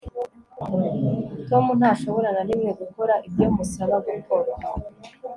Tom ntashobora na rimwe gukora ibyo musaba gukora